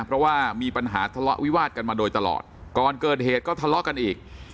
เพราะว่ามีปัญหาทะเลาะวิวาดกันมาโดยตลอดก่อนเกิดเหตุก็ทะเลาะกันอีก